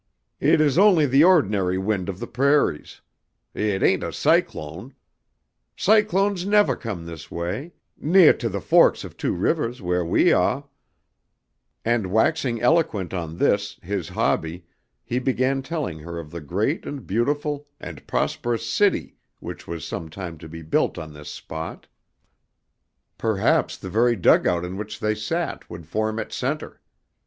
"It is only the ordinary wind of the prairies. It ain't a cyclone. Cyclones nevah come this way, neah to the forks of two rivers wheah we ah," and waxing eloquent on this, his hobby, he began telling her of the great and beautiful and prosperous city which was sometime to be built on this spot; perhaps the very dugout in which they sat would form its center.